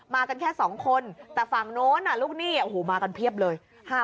กันแค่๒คนแต่ฝั่งโน้นลูกหนี้โอ้โหมากันเพียบเลย